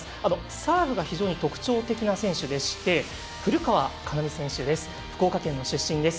サーブが非常に特徴的な選手でして古川佳奈美選手、福岡県出身です。